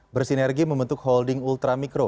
bersinergi membentuk holding ultramikro